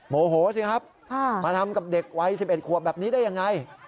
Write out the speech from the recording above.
โมโหสิครับมาทำกับเด็กวัย๑๑ขวบแบบนี้ได้ยังไง